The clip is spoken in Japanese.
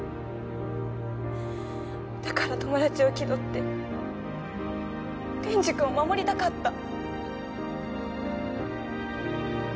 だから友達を気取って天智くんを守りたかった。